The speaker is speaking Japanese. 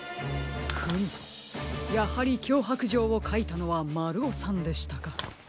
フムやはりきょうはくじょうをかいたのはまるおさんでしたか。